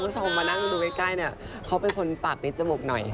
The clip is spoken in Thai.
คุณผู้ชมมานั่งดูใกล้เนี่ยเขาเป็นคนปากติดจมูกหน่อย